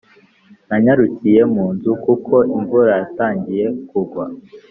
nanyarukiye mu nzu kuko imvura yatangiye kugwa.